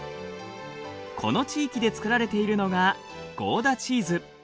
この地域で作られているのがゴーダチーズ。